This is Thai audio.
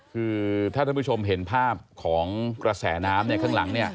คือถ้าท่านผู้ชมเห็นภาพของกระแสน้ำข้างหลัง